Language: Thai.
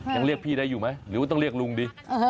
ยังเรียกพี่ได้อยู่ไหมหรือว่าต้องเรียกลุงดี